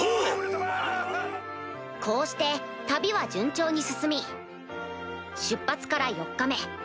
・こうして旅は順調に進み出発から４日目